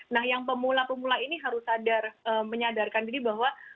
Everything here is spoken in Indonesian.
nah yang pemula pemula ini harus sadar menyadarkan diri bahwa